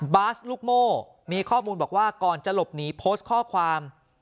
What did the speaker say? บาสลูกโม่มีข้อมูลบอกว่าก่อนจะหลบหนีโพสต์ข้อความ